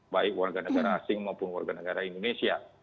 baik warga negara asing maupun warga negara indonesia